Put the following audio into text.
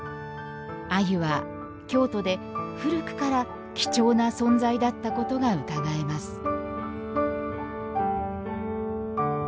鮎は京都で古くから貴重な存在だったことがうかがえます